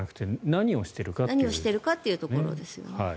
何をしているかというところですね。